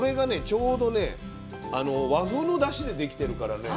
ちょうどね和風のだしで出来てるからね